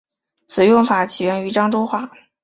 此用法起源于漳州话。